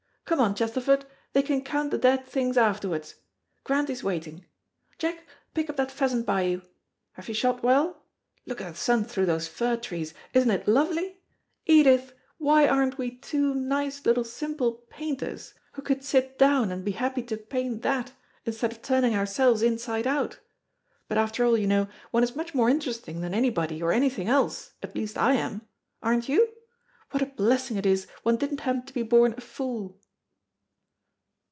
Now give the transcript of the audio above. Come on, Chesterford, they can count the dead things afterwards. Grantie's waiting. Jack, pick up that pheasant by you. Have you shot well? Look at the sun through those fir trees isn't it lovely? Edith, why aren't we two nice, little simple painters who could sit down, and be happy to paint that, instead of turning ourselves inside out? But, after all, you know, one is much more interesting than anybody or anything else, at least I am. Aren't you? What a blessing it is one didn't happen to be born a fool!"